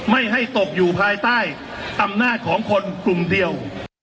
ไม่ให้ตกอยู่ภายใต้อำนาจของคนกลุ่มเดียว